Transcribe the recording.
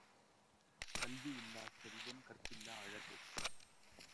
கல்வி இல்லாச் செல்வம் கற்பில்லா அழகு.